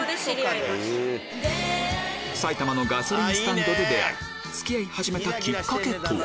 埼玉のガソリンスタンドで出会い付き合い始めたキッカケとは？